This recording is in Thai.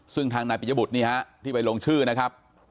ซึ่งทางนายปิยบุตรนี่ฮะที่ไปลงชื่อนะครับ